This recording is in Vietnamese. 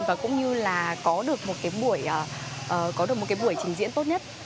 và cũng như là có được một cái buổi trình diễn tốt nhất